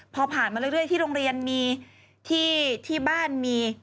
พอผ่านมาเรื่อยที่โรงเรียนมีที่บ้านมี